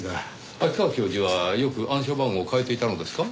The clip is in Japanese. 秋川教授はよく暗証番号を変えていたのですか？